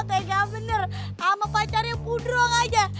tegak bener sama pacar yang pudrong aja